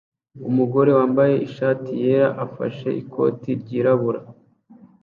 umugore wambaye ishati yera ufashe ikote ryirabura